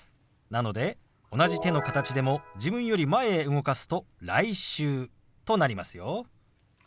なので同じ手の形でも自分より前へ動かすと「来週」となりますよ。